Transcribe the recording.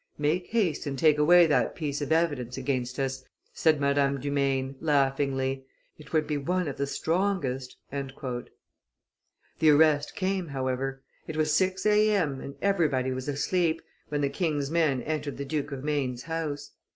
"Make haste and take away that piece of evidence against us," said Madame du Maine, laughingly, "it would be one of the strongest." The arrest came, however; it was six A.M., and everybody was asleep, when the king's men entered the Duke of Maine's house.